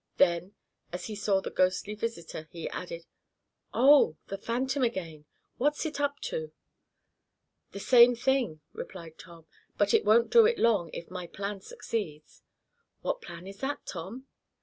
Then, as he saw the ghostly visitor, he added: "Oh the phantom again! What's it up to?" "The same thing," replied Tom, "but it won't do it long, if my plan succeeds." "What plan is that, Tom?"